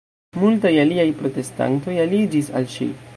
Multaj aliaj protestantoj aliĝis al ŝi.